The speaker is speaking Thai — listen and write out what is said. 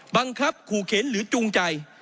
บังคับขู่เข็นหรือจูงใจ